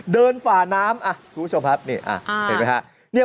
เดินฝ่าน้ำคุณชมครับนี่เห็นไหมครับ